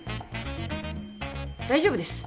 大丈夫です